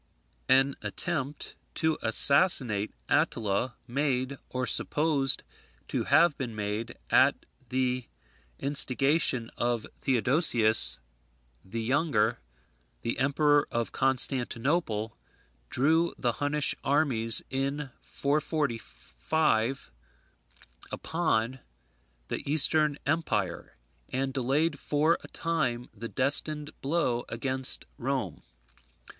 An attempt to assassinate Attila, made, or supposed to have been made, at the instigation of Theodosius the Younger, the Emperor of Constantinople, drew the Hunnish armies, in 445, upon the Eastern empire, and delayed for a time the destined blow against Rome.